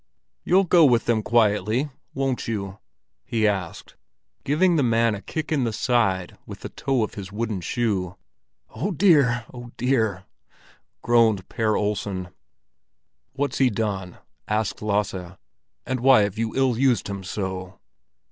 "You'll go with them quietly, won't you?" he asked, giving the man a kick in the side with the toe of his wooden shoe. "Oh dear! Oh dear!" groaned Per Olsen. "What's he done?" asked Lasse. "And why have you ill used him so?"